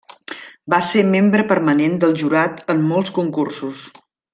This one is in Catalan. Va ser membre permanent del jurat en molts concursos.